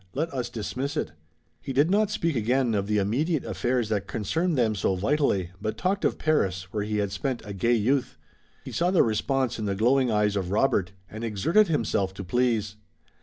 Let us dismiss it." He did not speak again of the immediate affairs that concerned them so vitally, but talked of Paris, where he had spent a gay youth. He saw the response in the glowing eyes of Robert, and exerted himself to please.